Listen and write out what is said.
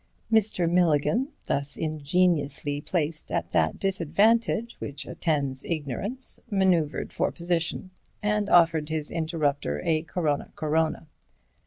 Mr. Milligan, thus ingeniously placed at that disadvantage which attends ignorance, manœuvred for position, and offered his interrupter a Corona Corona.